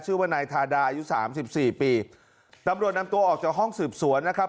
ชื่อว่านายทาดาอายุสามสิบสี่ปีตำรวจนำตัวออกจากห้องสืบสวนนะครับ